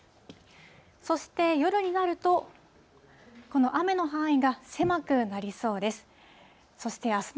そして夜になると、この雨の範囲が狭くなりそうです。